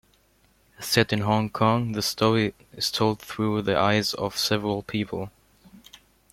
Set in Hong Kong, the story is told through the eyes of several people.